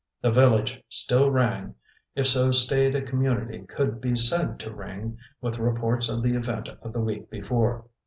The village still rang, if so staid a community could be said to ring, with reports of the event of the week before.